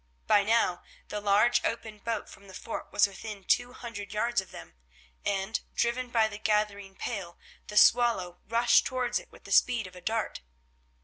By now the large open boat from the fort was within two hundred yards of them, and, driven by the gathering gale, the Swallow rushed towards it with the speed of a dart.